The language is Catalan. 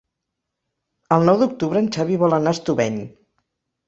El nou d'octubre en Xavi vol anar a Estubeny.